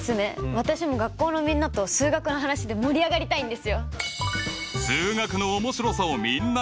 私も学校のみんなと数学の話で盛り上がりたいんですよ！